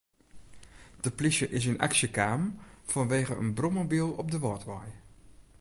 De plysje is yn aksje kaam fanwegen in brommobyl op de Wâldwei.